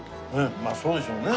まあそうでしょうね。